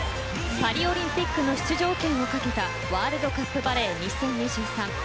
パリオリンピックの出場権をかけたワールドカップバレー２０２３。